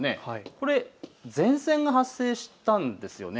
これ、前線が発生したんですよね。